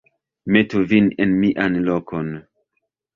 metu vin en mian lokon.